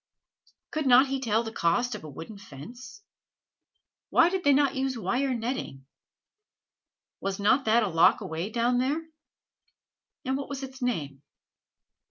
Could not he tell the cost of a wooden fence? Why did they not use wire netting? Was not that a loch away down there? and what was its name?